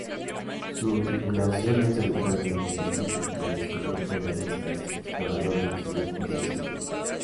Su tripulación es habitualmente un pintoresco grupo de artistas, exploradores, estudiantes y científicos.